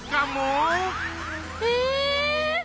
え！